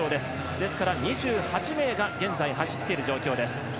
ですから２８名が現在走っている状況です。